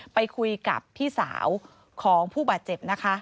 ไปคุยกับพี่สาวของผู้บาดเจ็บนะคะ